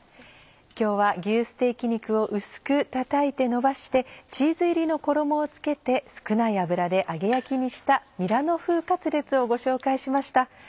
今日は牛ステーキ肉を薄く叩いてのばしてチーズ入りの衣をつけて少ない油で揚げ焼きにした「ミラノ風カツレツ」をご紹介しました。